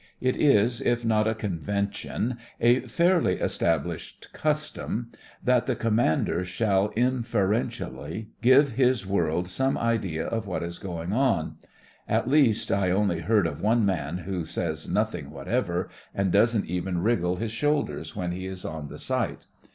It is, if not a con vention, a fairly established custom that the commander shall inferen tially give his world some idea of what is going on. At least, I only heard of one man who says nothing what ever, and doesn't even wriggle his shoulders when he is on the sight.